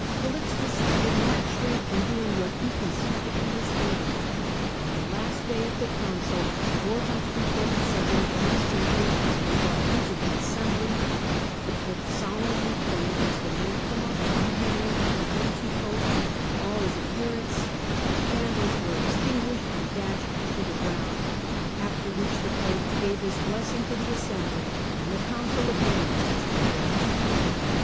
Calixtus did not shrink from doing of Reims, what he conceived to be his duty. On the last day of the council 427 wax tapers were brought into the assembly ; the pope solemnly pronounced anathema upon Henry, the anti pope, and all their adherents ; the candles were extinguished and dashed to the ground, after which the pope gave his blessing to the assembly and the Council of Reims was dissolved.